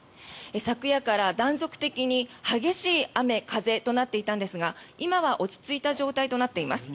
昨夜から断続的に激しい雨、風となっていたんですが今は落ち着いた状況となっています。